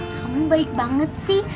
kamu baik banget sih